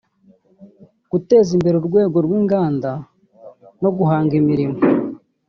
guteza imbere urwego rw’inganda no guhanga imirimo